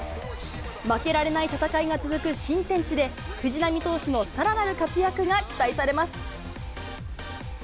負けられない戦いが続く新天地で、藤浪投手のさらなる活躍が期待されます。